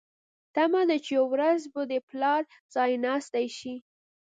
تمه ده چې یوه ورځ به د پلار ځایناستې شي.